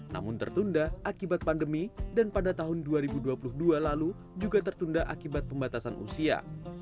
namun tertunda akibat pandemi dan pada tahun dua ribu dua puluh dua lalu juga tertunda akibat pembatasan usia